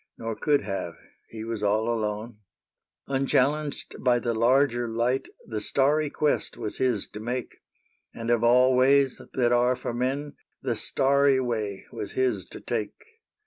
Nor could have : he was all alone. 1 5 8 S AINTE NITOUCHE Unchallenged by the larger light The starry quest was his to make ; And of all ways that are for men, The starry way was his to take.